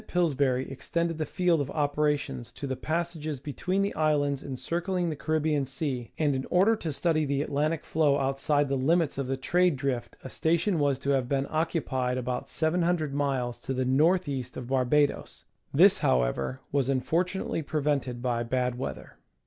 Pillsbury extended the field of operations to the passages between the islands encircling the Caribbean Sea, and in order to study the Atlantic flow outside the limits of the trade drift a station was to have been occupied about 700 miles to the north east of Barbados ; this, however, was unfortunately prevented by bad weather.